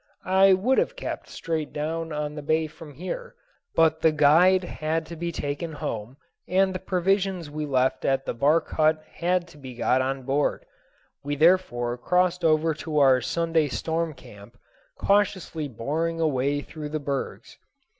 I would have kept straight down the bay from here, but the guide had to be taken home, and the provisions we left at the bark hut had to be got on board. We therefore crossed over to our Sunday storm camp, cautiously boring a way through the bergs.